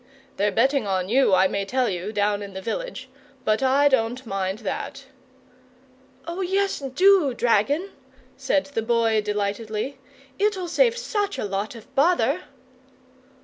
They're betting on you, I may tell you, down in the village, but I don't mind that!" "Oh, yes, DO, dragon," said the Boy, delightedly; "it'll save such a lot of bother!"